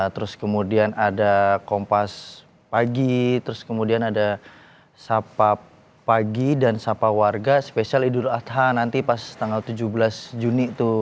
terus kemudian ada kompaspagi terus kemudian ada sapapagi dan sapa warga spesial ido ada nanti pas tanggal tujuh belas juni itu